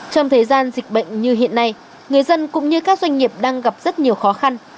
trong thời gian dịch bệnh như hiện nay người dân cũng như các doanh nghiệp đang gặp rất nhiều khó khăn